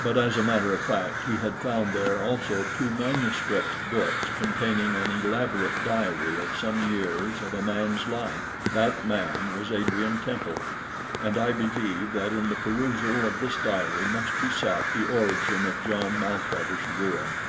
But as a matter of fact, he had found there also two manuscript books containing an elaborate diary of some years of a man's life. That man was Adrian Temple, and I believe that in the perusal of this diary must be sought the origin of John Maltravers's ruin.